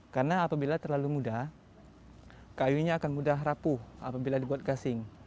karena apabila terlalu mudah kayunya akan mudah rapuh apabila dibuat gasing